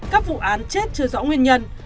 các vụ án chết chưa rõ nguyên nhân